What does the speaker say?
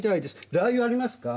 ラー油ありますか？